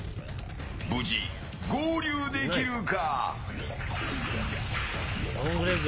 無事、合流できるか？